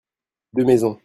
deux maisons.